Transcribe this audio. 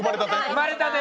生まれたて？